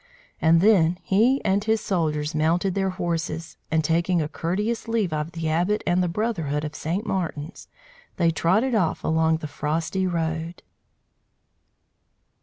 And then he and his soldiers mounted their horses, and, taking a courteous leave of the Abbot and the brotherhood of St. Martin's, they trotted off along the frosty road.